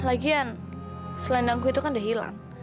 lagian selendangku itu kan udah hilang